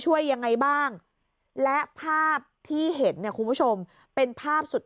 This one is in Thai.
ยังไงบ้างและภาพที่เห็นเนี่ยคุณผู้ชมเป็นภาพสุด